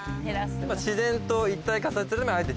自然と一体化させるためあえて。